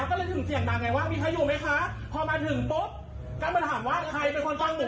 กูไม่ตอบกลับกระปุ่นแล้วรู้จักกูไว้กับกล้องกระปุ่น